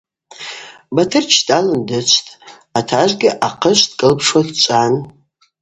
Батыр дщтӏалын дычвтӏ, атажвгьи ахъышв дкӏылпшуа дчӏван.